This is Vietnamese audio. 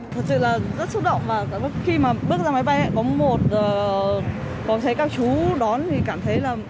thật sự rất xúc động khi bước ra máy bay có thấy các chú đón thì cảm thấy